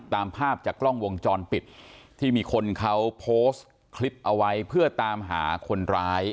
ตามภาพจากกล้องวงจรปิดที่มีคนเขาโพสต์คลิปเอาไว้เพื่อตามหาคนร้าย